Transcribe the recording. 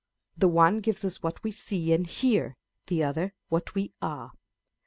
The one gives us what we see and hear ; the other what we are.